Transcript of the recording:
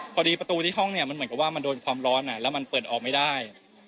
พอดีประตูที่ห้องเนี่ยมันเหมือนกับว่ามันโดนความร้อนแล้วมันเปิดออกไม่ได้